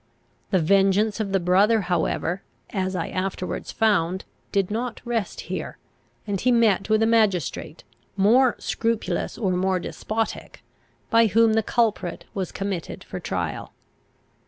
The vengeance of the brother however, as I afterwards found, did not rest here, and he met with a magistrate, more scrupulous or more despotic, by whom the culprit was committed for trial.